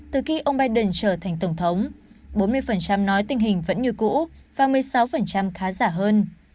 từ khi ông biden trở thành tổng thống bốn mươi nói tình hình vẫn như cũ và một mươi sáu khá giả hơn